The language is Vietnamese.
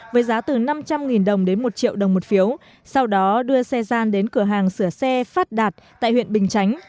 với giá từ năm trăm linh đồng đến một triệu đồng một phiếu sau đó đưa xe gian đến cửa hàng sửa xe phát đạt tại huyện bình chánh